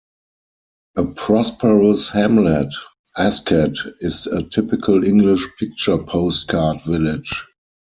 A prosperous hamlet, Askett is a typical English "picture postcard" village.